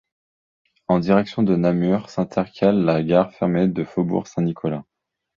En direction de Namur s'intercale la gare fermée de Faubourg Saint-Nicolas.